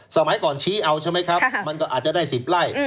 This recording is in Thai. สมัยก่อนชี้เอาใช่ไหมครับมันก็อาจจะได้๑๐ไร่